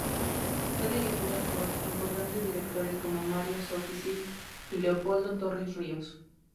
Fue dirigida por importantes directores como Mario Soffici y Leopoldo Torres Ríos.